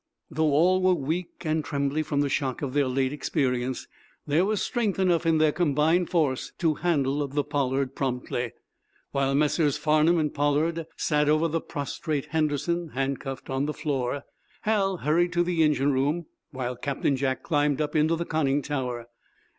Though all were weak and trembly from the shock of their late experience, there was strength enough in their combined force to handle the "Pollard" promptly. While Messrs. Farnum and Pollard sat over the prostrate Henderson, handcuffed on the floor, Hal hurried to the engine room, while Captain Jack climbed up into the conning tower.